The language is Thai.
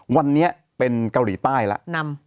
วันนี้เป็นเกาหลีใต้ละนำ